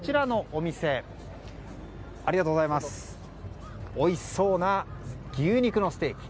おいしそうな牛肉のステーキ。